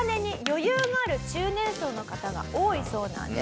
の方が多いそうなんです。